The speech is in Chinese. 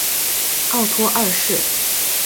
奥托二世。